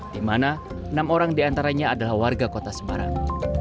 di mana enam orang diantaranya adalah warga kota semarang